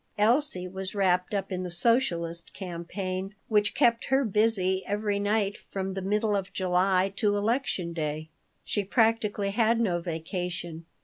Elsie was wrapped up in the socialist campaign, which kept her busy every night from the middle of July to Election Day. She practically had no vacation.